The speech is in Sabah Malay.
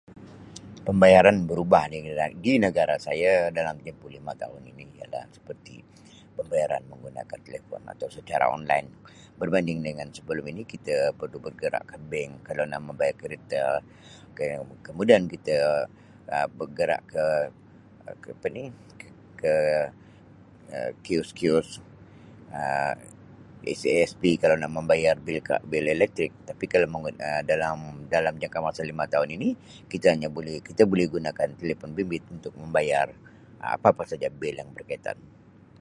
Pembayaran berubah di negra di negara saye dalam tempoh lima tahun ini ialah seperti pembayaran menggunakan telefon atau secara online berbanding dengan sebelum ini kite perlu bergerak ke bank kalau nak membayar kereta ke-kemudian kita Um bergerak ke-ke apa ni ke Um kiosk-kiosk Um SESB kalau nak membayar bil ka bil elektrik tapi kalau mengguna dalam dalam jangka masa lima tahun ini kita hanya boleh kita boleh gunakan telefon bimbit untuk membayar apa-apa saja bil yang berkaitan.